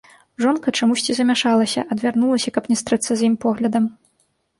Жонка чамусьці замяшалася, адвярнулася, каб не стрэцца з ім поглядам.